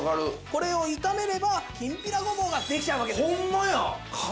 これを炒めればきんぴらごぼうができちゃうわけです！ホンマや！